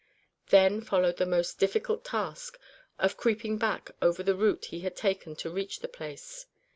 Then followed the most difficult task of creeping back over the route he had taken to reach the place.